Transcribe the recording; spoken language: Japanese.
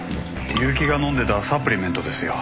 悠木が飲んでたサプリメントですよ。